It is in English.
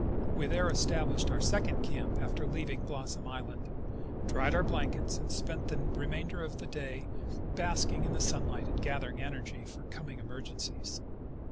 We there established our second camp after leaving Blossom island, dried our blankets, and spent the remainder of the day basking in the sunlight and gathering energy for coming emergencies.